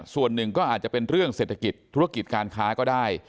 ส่วนหนึ่งก็อาจจะเป็นเรื่องเศรษฐกิจธุรกิจการค้าก็ได้